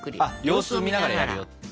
様子を見ながらやるよ。